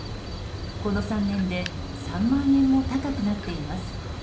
この３年で３万円も高くなっています。